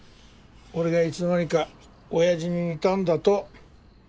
俺がいつの間にか親父に似たんだと。